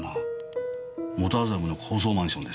元麻布の高層マンションです。